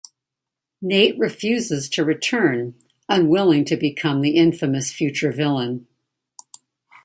Nate refuses to return, unwilling to become the infamous future villain.